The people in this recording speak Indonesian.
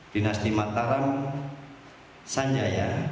dinasti mataram sanjaya